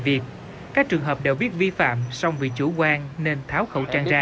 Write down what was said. việc các trường hợp đều biết vi phạm song vì chủ quan nên tháo khẩu trang ra